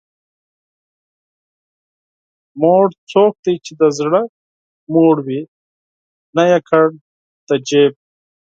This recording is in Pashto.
شتمن څوک دی چې د زړه شتمن وي، نه یوازې جیب.